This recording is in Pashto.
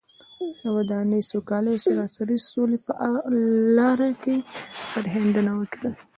د ودانۍ، سوکالۍ او سراسري سولې په لاره کې سرښندنه وکړي.